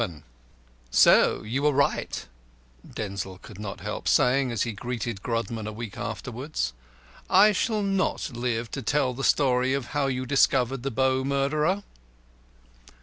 XI "So you were right," Denzil could not help saying as he greeted Grodman a week afterwards. "I shall not live to tell the story of how you discovered the Bow murderer."